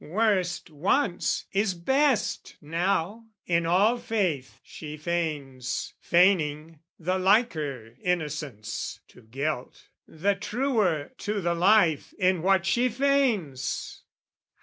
Worst, once, is best now: in all faith, she feigns: Feigning the liker innocence to guilt, The truer to the life is what she feigns!